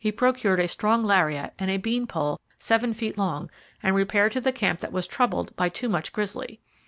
He procured a strong lariat and a bean pole seven feet long and repaired to the camp that was troubled by too much grizzly.